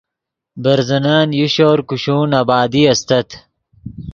برزنن یو شور کوشون آبادی استت